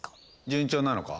順調なのか？